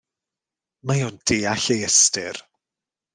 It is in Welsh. Mae o'n deall ei ystyr.